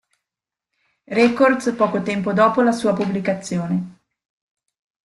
Records poco tempo dopo la sua pubblicazione.